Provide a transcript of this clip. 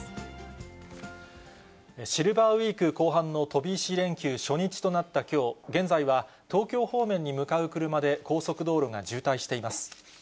シルバーウイーク後半の飛び石連休初日となったきょう、現在は東京方面に向かう車で、高速道路が渋滞しています。